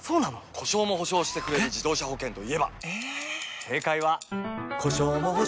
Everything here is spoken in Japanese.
故障も補償してくれる自動車保険といえば？